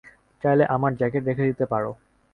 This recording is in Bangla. চাইলে আমার জ্যাকেট রেখে দিতে পারো!